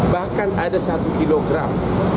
bahkan ada satu kilogram